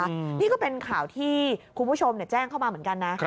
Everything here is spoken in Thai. นี่ก็เป็นข่าวที่คุณผู้ชมแจ้งเข้ามาเหมือนกันนะ